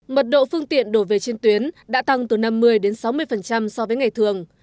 mật độ phương tiện đổ về trên tuyến đã tăng từ năm mươi đến sáu mươi so với ngày thường